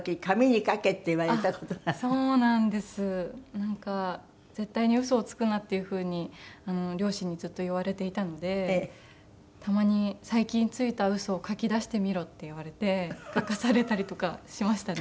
なんか絶対にウソをつくなっていうふうに両親にずっと言われていたのでたまに最近ついたウソを書き出してみろって言われて書かされたりとかしましたね。